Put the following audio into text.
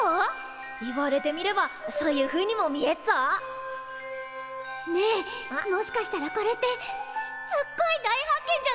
言われてみればそういうふうにも見えっぞ。ねえもしかしたらこれってすっごい大発見じゃない？